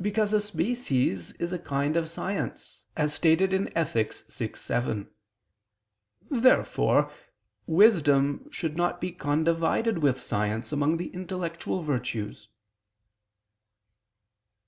Because a species is a kind of science, as stated in Ethic. vi, 7. Therefore wisdom should not be condivided with science among the intellectual virtues.